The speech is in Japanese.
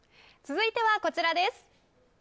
続いてはこちらです。